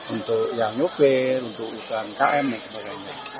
untuk yang nyopir untuk uang km dan sebagainya